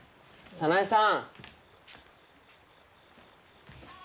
・早苗さん？